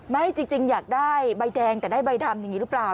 ไม่จริงอยากได้ใบแดงแต่ได้ใบดำอย่างนี้หรือเปล่า